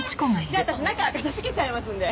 じゃあ私中片付けちゃいますんで。